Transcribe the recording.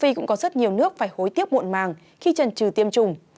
châu phi cũng có rất nhiều nước phải hối tiếc muộn màng khi trần trừ tiêm chủng